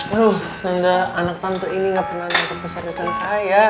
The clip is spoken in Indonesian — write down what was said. aduh tante anak tante ini gak pernah nangkep keseriusan saya